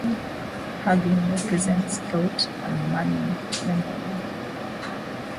Huginn represents thought and Muninn memory.